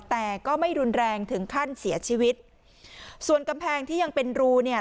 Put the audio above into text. แต่ก็ไม่รุนแรงถึงขั้นเสียชีวิตส่วนกำแพงที่ยังเป็นรูเนี่ย